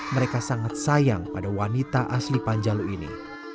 mereka sangat sayang pada wanita asli panjalu ini